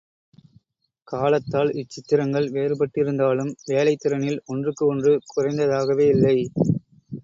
காலத்தால் இச்சித்திரங்கள் வேறுபட்டிருந்தாலும் வேலைத் திறனில் ஒன்றுக்கு ஒன்று குறைந்ததாகவே இல்லை.